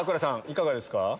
いかがですか？